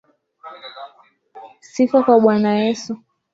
Sifa kwa Yesu,